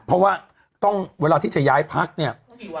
เพราะว่าต้องเวลาที่จะย้ายพักเนี่ย